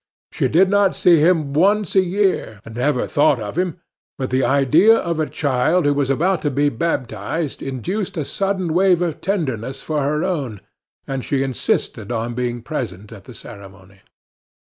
She did not see him once a year, and never thought of him; but the idea of the child who was about to be baptized induced a sudden wave of tenderness for her own, and she insisted on being present at the ceremony.